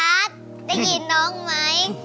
พี่กัสได้ยินน้องไหม